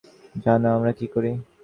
জানো আমরা কী করি?